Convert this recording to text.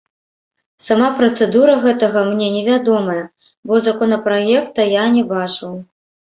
Сама працэдура гэтага мне невядомая, бо законапраекта я не бачыў.